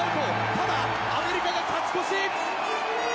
ただ、アメリカが勝ち越し。